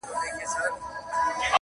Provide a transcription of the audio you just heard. يو بل هلک چوپ پاتې کيږي.